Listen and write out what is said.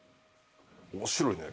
面白いね。